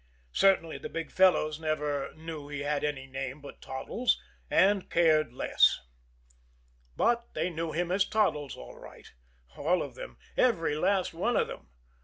Certainly the big fellows never knew he had any name but Toddles and cared less. But they knew him as Toddles, all right! All of them did, every last one of them!